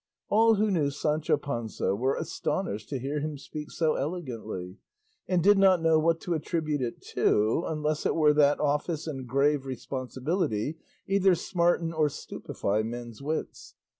All who knew Sancho Panza were astonished to hear him speak so elegantly, and did not know what to attribute it to unless it were that office and grave responsibility either smarten or stupefy men's wits.